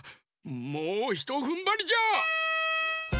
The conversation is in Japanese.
もうひとふんばりじゃ！